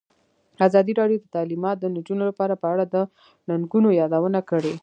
ازادي راډیو د تعلیمات د نجونو لپاره په اړه د ننګونو یادونه کړې.